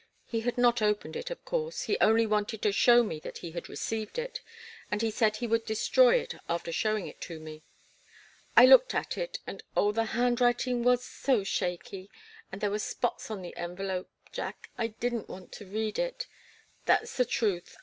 He had not opened it, of course he only wanted to show me that he had received it, and he said he would destroy it after showing it to me. I looked at it and oh, the handwriting was so shaky, and there were spots on the envelope Jack I didn't want to read it. That's the truth.